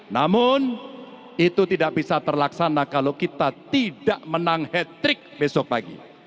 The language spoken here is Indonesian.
namun itu tidak bisa terlaksana kalau kita tidak menang hat trick besok pagi